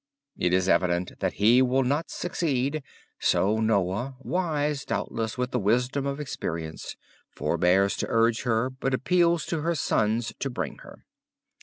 It is evident that he will not succeed so Noah, wise doubtless with the wisdom of experience, forbears to urge but appeals to her sons to bring her.